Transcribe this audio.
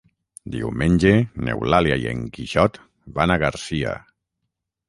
Diumenge n'Eulàlia i en Quixot van a Garcia.